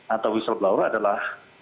atau whistleblower adalah